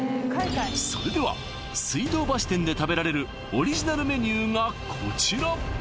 それでは水道橋店で食べられるオリジナルメニューがこちら！